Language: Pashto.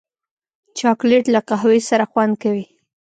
چاکلېټ له قهوې سره خوند کوي.